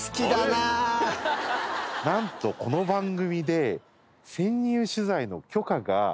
何とこの番組で。